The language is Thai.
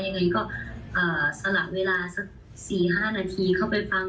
ยังไงก็สลับเวลาสัก๔๕นาทีเข้าไปฟัง